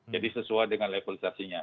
jadi sesuai dengan levelisasinya